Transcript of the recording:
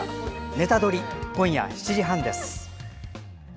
「ネタドリ！」、今夜７時半です。